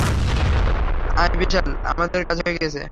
আয় বিশাল, আমাদের কাজ হয়ে গেছে।